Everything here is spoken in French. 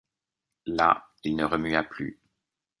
Là, il ne remua plus.